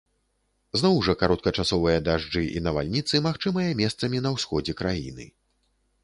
Зноў жа кароткачасовыя дажджы і навальніцы магчымыя месцамі на ўсходзе краіны.